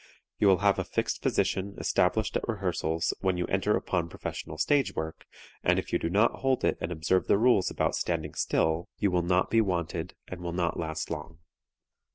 You will have a fixed position established at rehearsals, when you enter upon professional stage work, and if you do not hold it and observe the rules about standing still, you will not be wanted and will not last long.